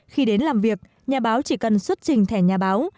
khi đến làm việc nhà báo chỉ cần xuất trình thẻ nhà báo